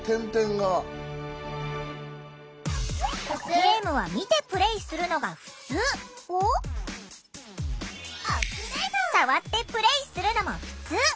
「ゲームは見てプレーするのがふつう」を「触ってプレーするのもふつう」にアップデート！